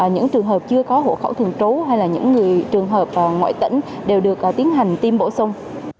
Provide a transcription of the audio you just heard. những trường hợp chưa có hộ khẩu thường trú hay là những trường hợp ngoại tỉnh đều được tiến hành tiêm bổ sung